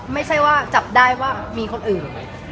ไม่ใช่ว่าจับได้ว่ามีคนอื่น